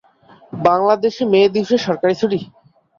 বাংলাদেশে মে দিবসে সরকারি ছুটি।